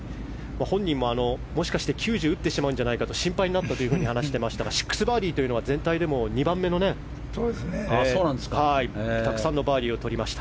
本人も、もしかして９０打ってしまうんじゃないかと話していましたが６バーディーというのは全体でも２番目の、たくさんのバーディーをとりました。